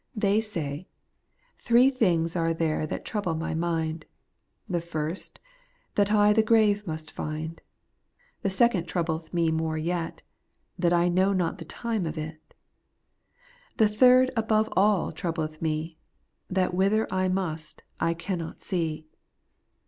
They say : Three things there are that trouble my mind : The first, that I the grave must find ; The second troubleth me more yet, — That I know not the time of it ; The third above all troubleth me, — That whither I must I cannot see.